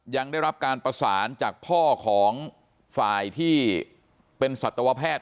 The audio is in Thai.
ยังได้รับการประสานจากพ่อของฝ่ายที่เป็นสัตวแพทย์